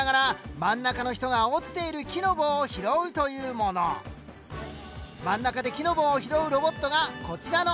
真ん中で木の棒を拾うロボットがこちらのアンティ。